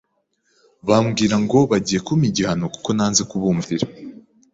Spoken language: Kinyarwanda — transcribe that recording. bambwira ngo bagiye kumpa igihano kuko nanze kubumvira